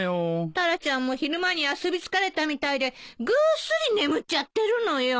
タラちゃんも昼間に遊び疲れたみたいでぐーっすり眠っちゃってるのよ。